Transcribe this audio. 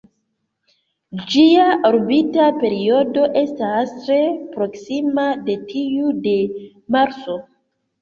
Ĝia orbita periodo estas tre proksima de tiu de Marso.